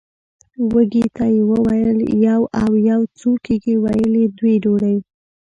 وږي ته یې وویل یو او یو څو کېږي ویل دوې ډوډۍ!